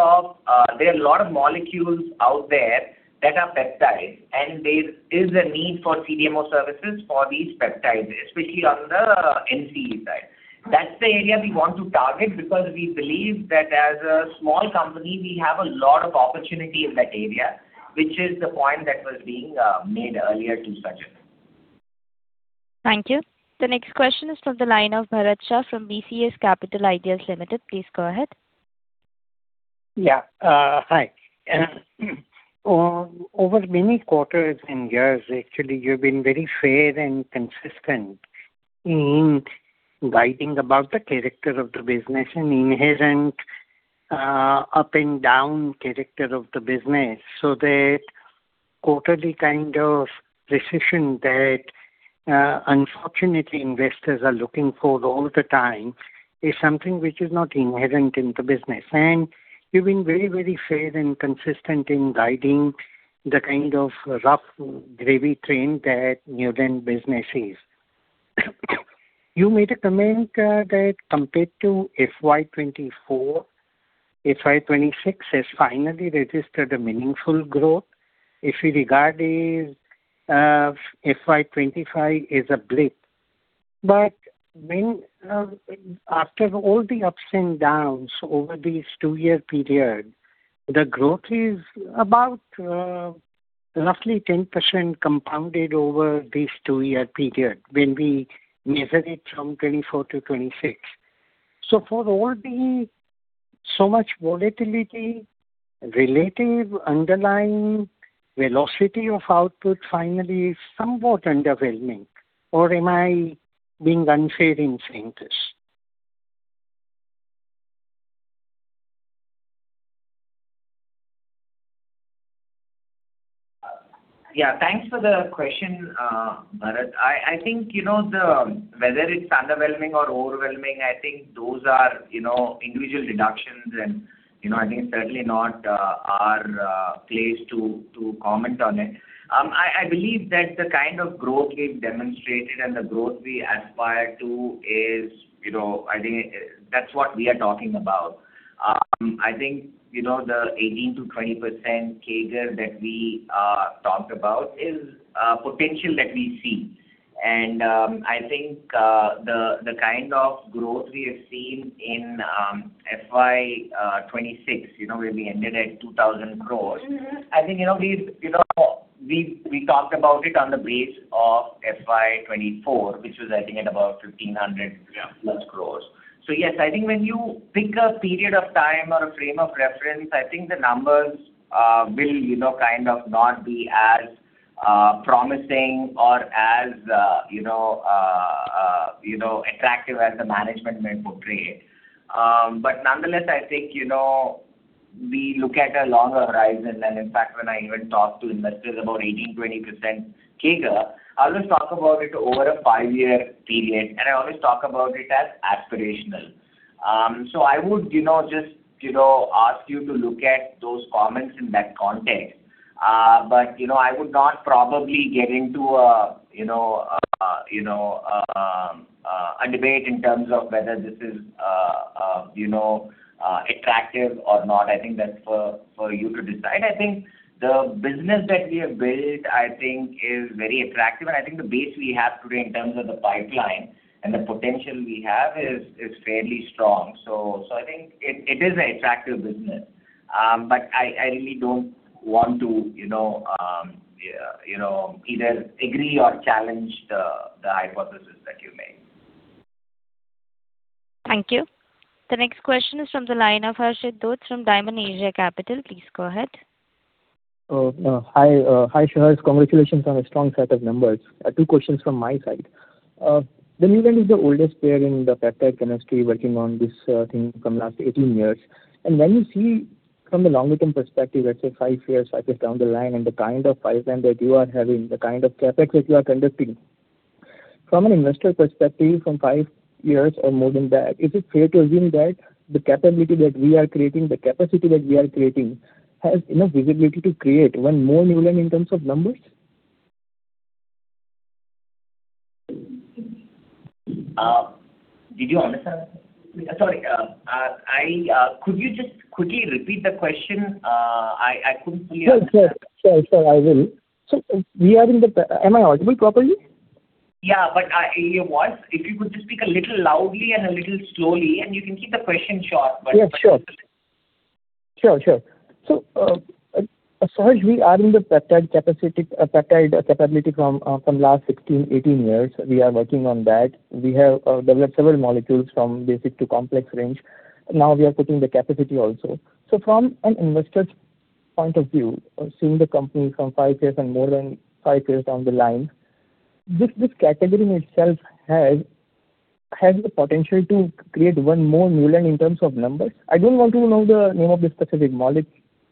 of molecules out there that are peptides, and there is a need for CDMO services for these peptides, especially on the NCE side. That's the area we want to target because we believe that as a small company, we have a lot of opportunity in that area, which is the point that was being made earlier to Sajal Kapoor. Thank you. The next question is from the line of Bharat Shah from ASK Group. Please go ahead. Yeah. Hi. Over many quarters and years actually, you've been very fair and consistent in guiding about the character of the business and inherent up and down character of the business so that quarterly kind of precision that unfortunately investors are looking for all the time is something which is not inherent in the business. You've been very, very fair and consistent in guiding the kind of rough gravy train that Neuland business is. You made a comment that compared to FY 2024, FY 2026 has finally registered a meaningful growth if we regard this FY 2025 as a blip. When after all the ups and downs over this 2-year period, the growth is about roughly 10% compounded over this 2-year period when we measure it from 2024 to 2026. For all the so much volatility, relative underlying velocity of output finally is somewhat underwhelming, or am I being unfair in saying this? Yeah, thanks for the question, Bharat. I think, you know, the Whether it's underwhelming or overwhelming, I think those are, you know, individual deductions and, you know, I think certainly not our place to comment on it. I believe that the kind of growth we've demonstrated and the growth we aspire to is, you know, I think that's what we are talking about. I think, you know, the 18%-20% CAGR that we talked about is potential that we see. I think the kind of growth we have seen in FY 2026, you know, where we ended at 2,000 crores. I think, you know, we, you know, we talked about it on the base of FY 2024, which was I think at about 1,500 + crores. Yes, I think when you pick a period of time or a frame of reference, I think the numbers will, you know, kind of not be as promising or as, you know, attractive as the management may portray it. Nonetheless, I think, you know, we look at a longer horizon, and in fact, when I even talk to investors about 18%-20% CAGR, I'll just talk about it over a 5-year period, and I always talk about it as aspirational. I would, you know, just, you know, ask you to look at those comments in that context. I would not probably get into, you know, a debate in terms of whether this is, you know, attractive or not. I think that's for you to decide. I think the business that we have built, I think is very attractive, and I think the base we have today in terms of the pipeline and the potential we have is fairly strong. I think it is an attractive business. I really don't want to, you know, either agree or challenge the hypothesis that you made. Thank you. The next question is from the line of Harshit Dhoot from Dymon Asia Capital. Please go ahead. Hi. Saharsh. Congratulations on a strong set of numbers. Two questions from my side. The Neuland is the oldest player in the peptide chemistry working on this thing from last 18 years. When you see from a longer term perspective, let's say five years, five years down the line, and the kind of pipeline that you are having, the kind of CapEx that you are conducting, from an investor perspective, from five years or more than that, is it fair to assume that the capability that we are creating, the capacity that we are creating has enough visibility to create one more Neuland in terms of numbers? Did you understand? Sorry, I, could you just quickly repeat the question? I couldn't clearly understand. Sure, sure. I will. Am I audible properly? Yeah, you was. If you could just speak a little loudly and a little slowly, and you can keep the question short. Yeah, sure. Sure, Saharsh Davuluri, we are in the peptide capacity peptide capability from last 16, 18 years. We are working on that. We have developed several molecules from basic to complex range. Now we are putting the capacity also. From an investor's point of view, seeing the company from 5 years and more than 5 years down the line, this category itself has. Has the potential to create one more Neuland in terms of numbers. I don't want to know the name of the specific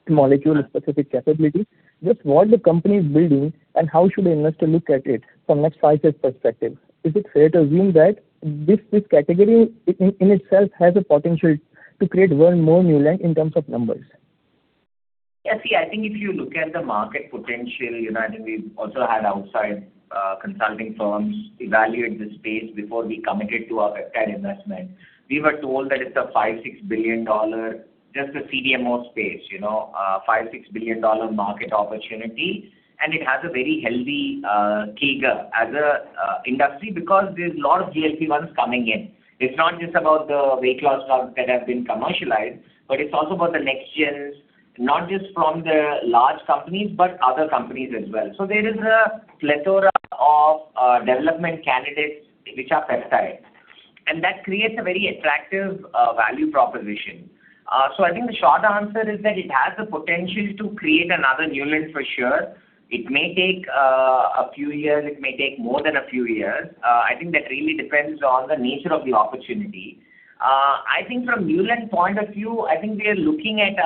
molecule, specific capability. Just what the company is building and how should investor look at it from a 5-year perspective. Is it fair to assume that this category in itself has a potential to create one more Neuland in terms of numbers? Yeah, see, I think if you look at the market potential, you know, I think we've also had outside consulting firms evaluate this space before we committed to our peptide investment. We were told that it's a $5 billion-$6 billion, just the CDMO space, you know, $5 billion-$6 billion market opportunity. It has a very healthy CAGR as a industry because there's a lot of GLP-1s coming in. It's not just about the weight loss drugs that have been commercialized, but it's also about the next gens, not just from the large companies, but other companies as well. There is a plethora of development candidates which are peptides, and that creates a very attractive value proposition. I think the short answer is that it has the potential to create another Neuland for sure. It may take a few years, it may take more than a few years. I think that really depends on the nature of the opportunity. I think from Neuland point of view, I think we are looking at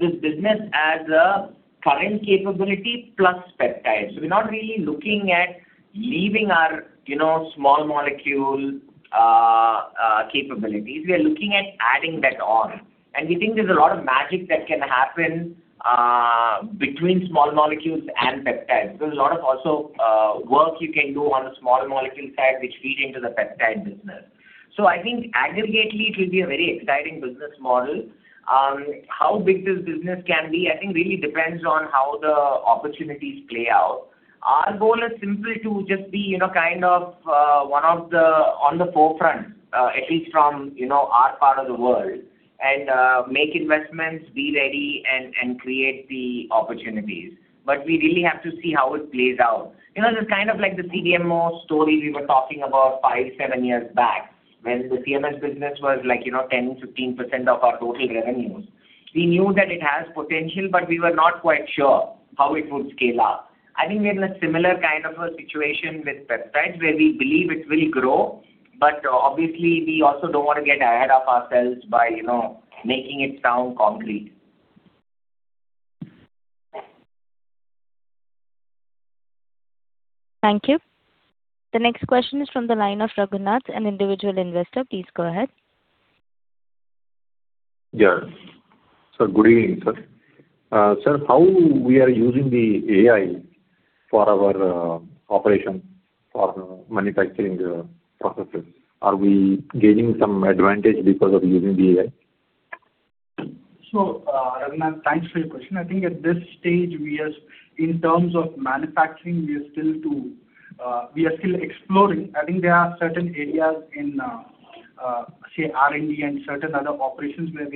this business as a current capability plus peptides. We're not really looking at leaving our, you know, small molecule capabilities. We are looking at adding that on. We think there's a lot of magic that can happen between small molecules and peptides. There's a lot of also work you can do on the small molecule side which feed into the peptide business. I think aggregately it will be a very exciting business model. How big this business can be, I think really depends on how the opportunities play out. Our goal is simply to just be, you know, kind of, one of the on the forefront, at least from, you know, our part of the world and, make investments, be ready and create the opportunities. We really have to see how it plays out. You know, this is kind of like the CDMO story we were talking about five, seven years back when the CMS business was like, you know, 10%, 15% of our total revenues. We knew that it has potential, but we were not quite sure how it would scale up. I think we're in a similar kind of a situation with peptides where we believe it will grow, but obviously we also don't wanna get ahead of ourselves by, you know, making it sound concrete. Thank you. The next question is from the line of Raghunath, an Individual Investor. Please go ahead. Yeah. Good evening, sir. Sir, how we are using the AI for our operation for manufacturing processes? Are we gaining some advantage because of using the AI? Raghunath, thanks for your question. I think at this stage, in terms of manufacturing, we are still exploring. I think there are certain areas in, say R&D and certain other operations where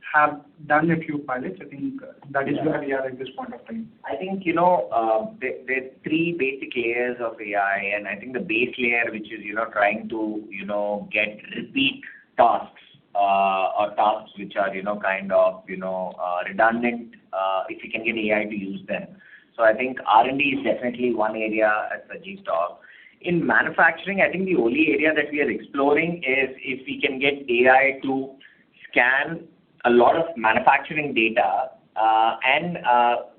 we have done a few pilots. I think that is where we are at this point of time. I think, you know, there are three basic layers of AI, and I think the base layer, which is, you know, trying to, you know, get repeat tasks, or tasks which are, you know, kind of redundant, if you can get AI to use them. I think R&D is definitely one area, as Sajeev's talked. In manufacturing, I think the only area that we are exploring is if we can get AI to scan a lot of manufacturing data, and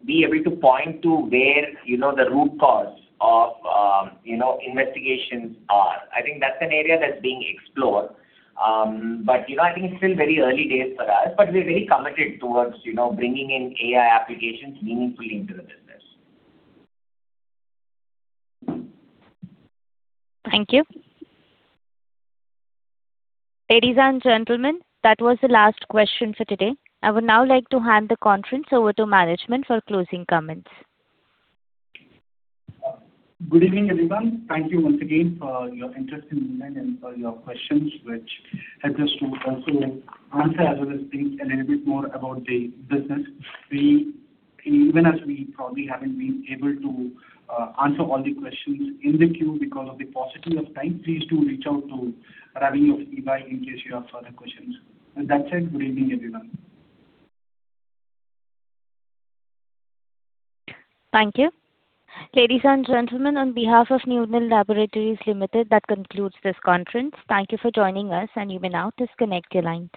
be able to point to where, you know, the root cause of, you know, investigations are. I think that's an area that's being explored. But, you know, I think it's still very early days for us, but we're very committed towards, you know, bringing in AI applications meaningfully into the business. Thank you. Ladies and gentlemen, that was the last question for today. I would now like to hand the conference over to management for closing comments. Good evening, everyone. Thank you once again for your interest in Neuland and for your questions, which helped us to also answer as well as think a little bit more about the business. Even as we probably haven't been able to answer all the questions in the queue because of the paucity of time, please do reach out to Ravi or Sribai in case you have further questions. With that said, good evening, everyone. Thank you. Ladies and gentlemen, on behalf of Neuland Laboratories Limited, that concludes this conference. Thank you for joining us, and you may now disconnect your lines.